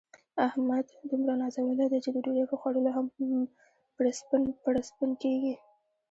احمد دومره نازولی دی، چې د ډوډۍ په خوړلو هم پړسپن پړسپن کېږي.